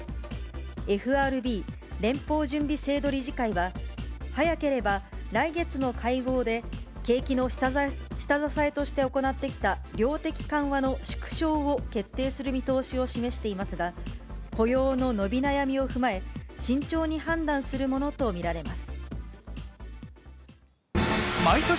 ＦＲＢ・連邦準備制度理事会は、早ければ来月の会合で景気の下支えとして行ってきた量的緩和の縮小を決定する見通しを示していますが、雇用の伸び悩みを踏まえ、慎重に判断するものと見られます。